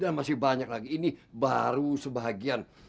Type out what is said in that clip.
dan masih banyak lagi ini baru sebagian